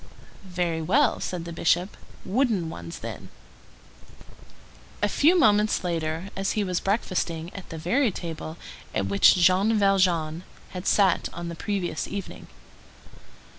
"Very well," said the Bishop; "wooden ones then." A few moments later he was breakfasting at the very table at which Jean Valjean had sat on the previous evening.